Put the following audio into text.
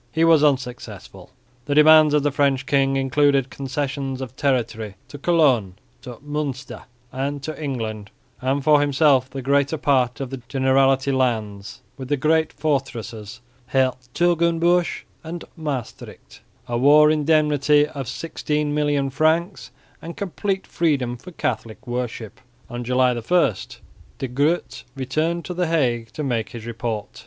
He was unsuccessful. The demands of the French king included concessions of territory to Cologne, to Münster and to England, and for himself the greater part of the Generality lands with the great fortresses of Hertogenbosch and Maestricht, a war indemnity of 16,000,000 francs, and complete freedom for Catholic worship. On July 1 De Groot returned to the Hague to make his report.